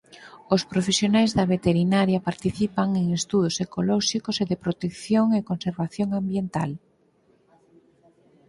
Os profesionais da Veterinaria participan en estudos ecolóxicos e de protección e conservación ambiental.